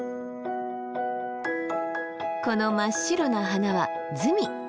この真っ白な花はズミ。